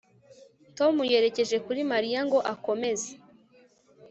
Tom yerekeje kuri Mariya ngo akomeze